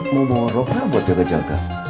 mau boroknya bapak jaga jaga